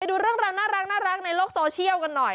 ดูเรื่องราวน่ารักในโลกโซเชียลกันหน่อย